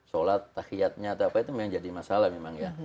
sholat tahiyadnya atau apa itu memang jadi masalah memang ya